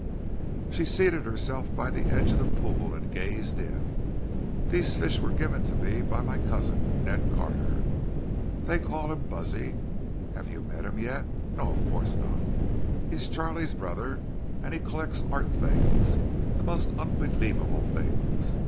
She seated herself by the edge of the pool, and gazed in. "These fish were given to me by my cousin, Ned Carter. They call him Buzzie. Have you met him yet?—No, of course not. He's Charlie's brother, and he collects art things—the most unbelievable things.